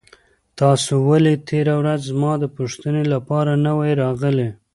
تاسو ولې تېره ورځ زما د پوښتنې لپاره نه وئ راغلي؟